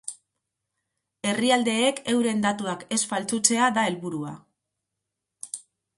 Herrialdeek euren datuak ez faltsutzea da helburua.